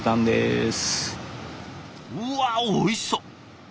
うわおいしそう。